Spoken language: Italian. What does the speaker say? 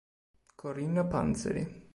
Corinna Panzeri